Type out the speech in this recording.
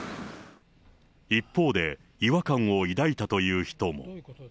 一方で、違和感を抱いたという人も。